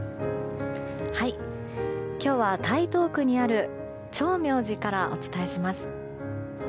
今日は台東区にある長明寺からお伝えします。